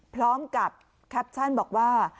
พร้อมกับแคปชั่นบอกว่า